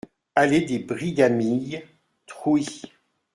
Allée des Brigamilles, Trouy